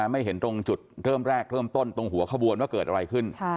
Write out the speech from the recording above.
ไม่เห็นตรงจุดเริ่มแรกเริ่มต้นตรงหัวขบวนว่าเกิดอะไรขึ้น